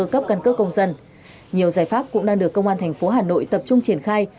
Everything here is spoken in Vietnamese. cân cơ công dân nhiều giải pháp cũng đang được công an thành phố hà nội tập trung triển khai